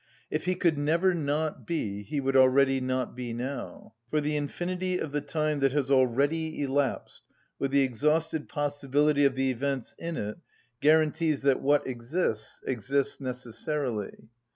If he could ever not be, he would already not be now. For the infinity of the time that has already elapsed, with the exhausted possibility of the events in it, guarantees that what exists, exists necessarily.